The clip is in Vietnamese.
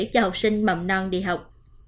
cho học sinh mầm non đi học